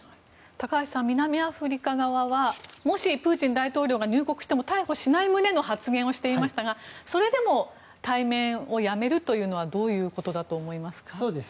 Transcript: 高橋さん、南アフリカ側はもしプーチン大統領が入国しても逮捕しない旨の発言をしていましたがそれでも対面をやめるというのはどういうことだと思いますか。